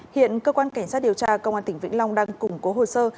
hiện cơ quan cảnh sát điều tra công an tỉnh vĩnh long đang củng cố hồ sơ